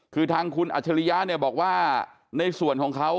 คือทางคุณอัจฉริยะเนี่ยบอกว่าในส่วนของเขา